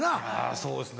そうですね。